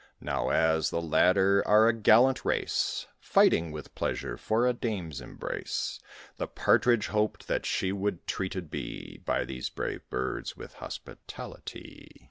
Now, as the latter are a gallant race, Fighting with pleasure for a dame's embrace, The Partridge hoped that she would treated be, By these brave birds, with hospitality.